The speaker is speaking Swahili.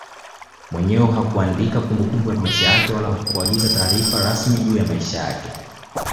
Mwenyewe hakuandika kumbukumbu ya maisha yake wala hakuagiza taarifa rasmi juu ya maisha yake